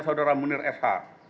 saudara munir sh